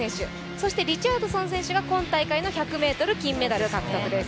そしてリチャードソン選手が今回の１００ｍ金メダル獲得です。